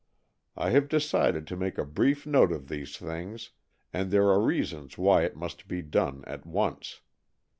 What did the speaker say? I have decided to make a brief note of these things, and there are reasons why it must be done at once.